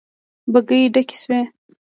بګۍ ډکې شوې.